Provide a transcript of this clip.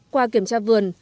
qua kiểm tra vườn